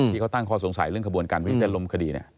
ที่เขาตั้งข้อสงสัยเรื่องขบวนการวิจารณลมคดี